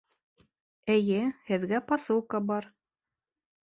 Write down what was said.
Эйе, һеҙгә посылка бар